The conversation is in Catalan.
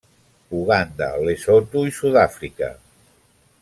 Uganda, Lesotho i Sud-àfrica.